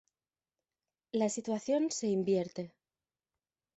La situación se invierte.